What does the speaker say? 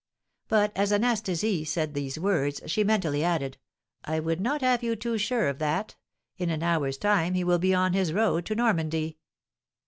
But, as Anastasie said these words, she mentally added, "I would not have you too sure of that; in an hour's time he will be on his road to Normandy!"